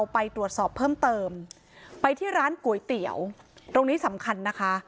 ไปที่ร้านก๋วยเตี๋ยวตรงนี้สำคัญนะคะ